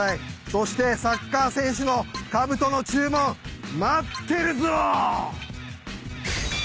そしてサッカー選手のかぶとの注文待ってるぞ！